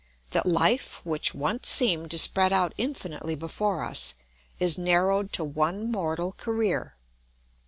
That life which once seemed to spread out infinitely before us is narrowed to one mortal career.